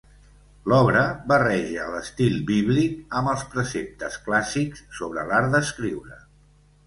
L'obra barreja l'estil bíblic amb els preceptes clàssics sobre l'art d'escriure.